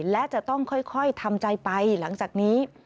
และจะต้องค่อยทำใจไปหลังจากนี้